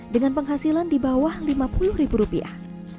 dengan penghasilan di bawah lima puluh ribu rupiah